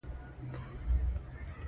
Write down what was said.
د غزل یو بیت او د مطلع لومړۍ مصرع ترمنځ.